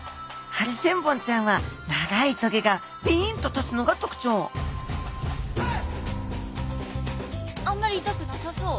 ハリセンボンちゃんは長い棘がピンと立つのが特徴あんまり痛くなさそう。